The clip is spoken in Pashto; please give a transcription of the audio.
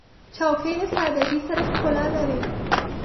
چوکۍ له سادګۍ سره ښکلا لري.